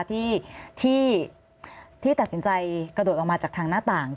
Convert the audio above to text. ที่ตัดสินใจกระโดดออกมาจากทางหน้าต่าง